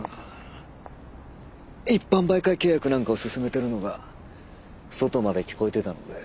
一般媒介契約なんかを勧めてるのが外まで聞こえてたので。